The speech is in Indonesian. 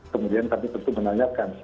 kemudian kami tentu menanyakan